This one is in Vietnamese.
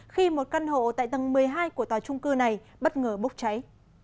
khi một căn hộ tại tầng một mươi hai của tòa trung cư này bất ngờ bốc cháy